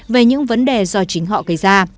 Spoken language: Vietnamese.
về những vấn đề do chính họ gây ra